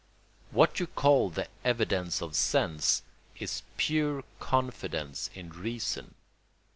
What you call the evidence of sense is pure confidence in reason.